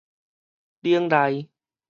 冷利